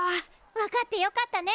分かってよかったね。